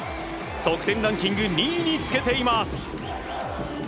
得点ランキング２位につけています。